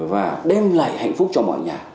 và đem lại hạnh phúc cho mọi nhà